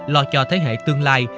lo cho thế hệ tương lai